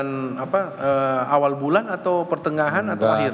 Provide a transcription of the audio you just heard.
atau awal bulan atau pertengahan atau akhir